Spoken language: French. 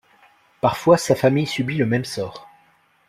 Parfois sa famille subit le même sort.